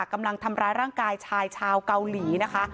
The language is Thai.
กำลังทำร้ายร่างกายชายชาวเกาหลีนะคะ